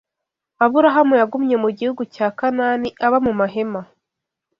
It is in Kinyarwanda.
Aburahamu yagumye mu gihugu cya Kanani aba mu mahema